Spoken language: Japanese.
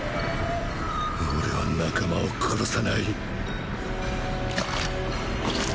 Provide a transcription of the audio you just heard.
俺は仲間を殺さない。